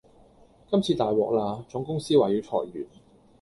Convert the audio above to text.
今次大獲啦！總公司話要裁員